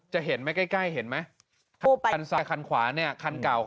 เห็นไหมใกล้ใกล้เห็นไหมทั่วไปคันซ้ายคันขวาเนี่ยคันเก่า